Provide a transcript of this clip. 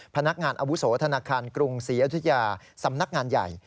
พนักงานอาวุโสธนาคารกรุงศรีอยุธยาสำนักงานใหญ่